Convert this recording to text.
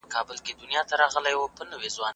د خدماتو په برخه کي پرمختګ تر سترګو سوی دی.